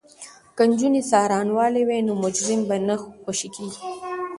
که نجونې څارنوالې وي نو مجرم به نه خوشې کیږي.